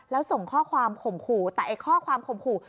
แล้วส่งข้อความข่มขู่แต่ไอ้ข้อความข่มขู่